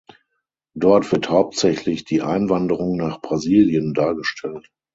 Dort wird hauptsächlich die Einwanderung nach Brasilien dargestellt.